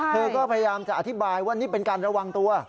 เธอก็พยายามจะอธิบายว่านี่เป็นการระวังตัว